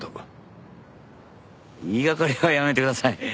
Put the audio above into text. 言いがかりはやめてください。